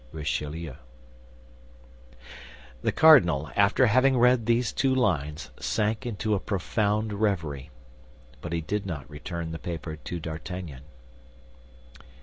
"RICHELIEU" The cardinal, after having read these two lines, sank into a profound reverie; but he did not return the paper to D'Artagnan.